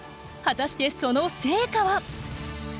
果たしてその成果は？